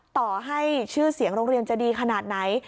ต่อให้ชื่อเสียงโรงเรียนจะดีขนาดไหน